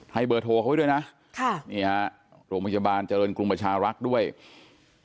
ให้เบอร์โทรเข้าไว้ด้วยนะโรงพยาบาลเจริญกรุงประชารักษ์ด้วยค่ะ